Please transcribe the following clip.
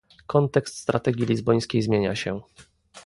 Kontekst strategii lizbońskiej zmienia się